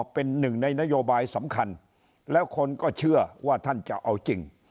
เป็นหนึ่งในนโยบายสำคัญแล้วคนก็เชื่อว่าท่านจะเอาจริง